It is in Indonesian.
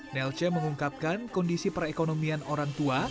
nelce mengungkapkan kondisi perekonomian orang tua